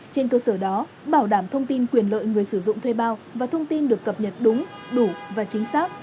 trên cơ sở đó bảo đảm thông tin quyền lợi người sử dụng thuê bao và thông tin được cập nhật đúng đủ và chính xác